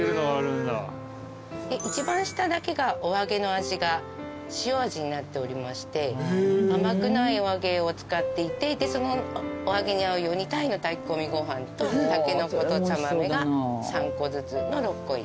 一番下だけがお揚げの味が塩味になっておりまして甘くないお揚げを使っていてそのお揚げに合うように鯛の炊き込みご飯とたけのこと茶豆が３個ずつの６個入り。